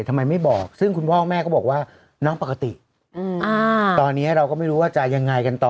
ทำไมไม่บอกซึ่งคุณพ่อแม่ก็บอกว่าน้องปกติตอนนี้เราก็ไม่รู้ว่าจะยังไงกันต่อ